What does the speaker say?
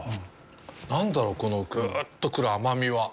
なんだろう、このグウッと来る甘みは？